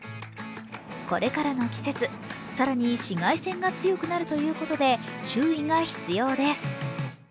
これからの季節、更に紫外線が強くなるということで注意が必要です。